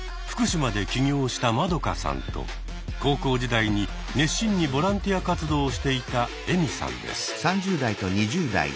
福島で起業したマドカさんと高校時代に熱心にボランティア活動をしていたエミさんです。